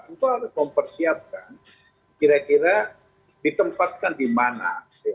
itu harus mempersiapkan kira kira ditempatkan di mana